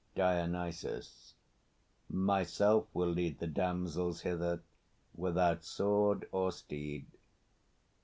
DIONYSUS. Myself will lead The damsels hither, without sword or steed.